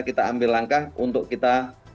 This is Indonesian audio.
kita ambil langkah untuk kita